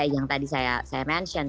yang tadi saya mention